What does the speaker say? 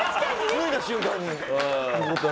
脱いだ瞬間に。